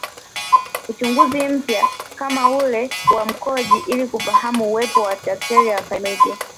Uchunguzi mpya kama ule wa mkojo ili kufahamu uwepo wa bakteria wa klamidia